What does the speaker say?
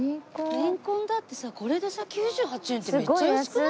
レンコンだってさこれでさ９８円ってめっちゃ安くない？